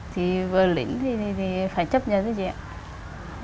thì vợ lĩnh thì phải chấp nhận